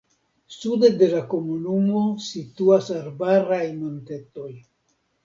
Sude de la komunumo situas arbaraj montetoj.